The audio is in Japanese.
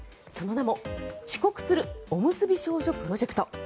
その名も、遅刻するおむすび少女プロジェクト。